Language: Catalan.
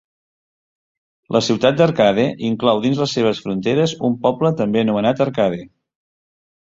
La ciutat d'Arcade inclou dins les seves fronteres un poble també anomenat Arcade.